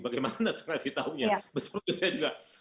bagaimana transi tahunya